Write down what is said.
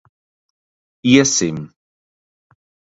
Iesim.